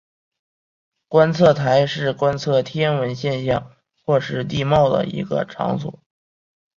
观测台是观测天文现象或是地貌的一个场所。